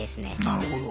なるほど。